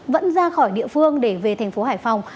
vẫn ra khỏi địa phương để về tp hcm